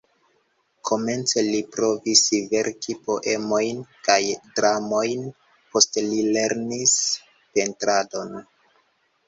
Komence li provis verki poemojn kaj dramojn, poste li lernis pentradon.